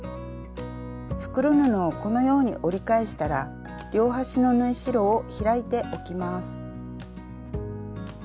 袋布をこのように折り返したら両端の縫い代を開いておきます。